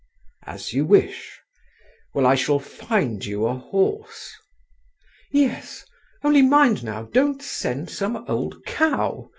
"As you wish. Well, I shall find you a horse." "Yes, only mind now, don't send some old cow.